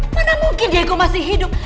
mana mungkin diego masih hidup